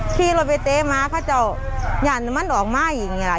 ที่เราไปเต๊ม้าข้าเจ้าอย่าน้ำมันออกมากอย่างเงี้ยล่ะ